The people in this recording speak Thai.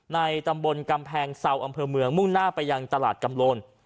ในตำบลกำแพงเซาอำเภอเมืองมุ่งหน้าไปยังตลาดกำลน